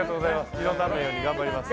異動にならないように頑張ります。